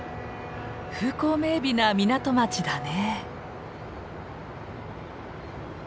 風光明美な港町だね。